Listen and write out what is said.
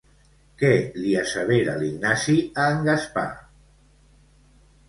Què li assevera l'Ignasi a en Gaspar?